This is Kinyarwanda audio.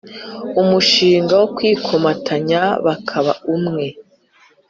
umushinga wo kwikomatanya bakaba umwe